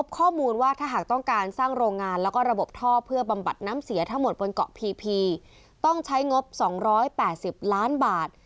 กับ๒๘๐ล้านบาท